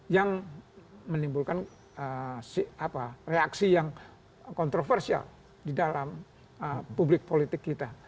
yang menimbulkan reaksi yang kontroversial di dalam publik politik kita